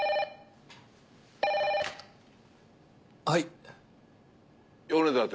はい。